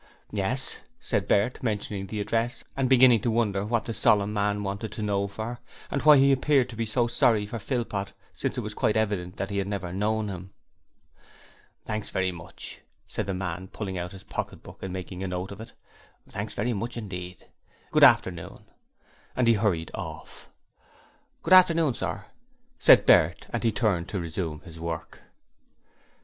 'Yes,' said Bert, mentioning the address and beginning to wonder what the solemn man wanted to know for, and why he appeared to be so sorry for Philpot since it was quite evident that he had never known him. 'Thanks very much,' said the man, pulling out his pocket book and making a note of it. 'Thanks very much indeed. Good afternoon,' and he hurried off. 'Good afternoon, sir,' said Bert and he turned to resume his work.